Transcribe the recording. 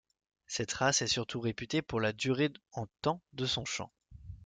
Cette race est surtout réputée pour la durée en temps de son chant.